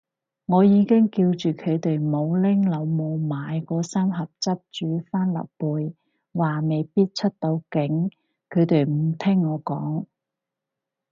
我已經叫住佢哋唔好拎老母買嗰三盒汁煮帆立貝，話未必出到境，佢哋唔聽我講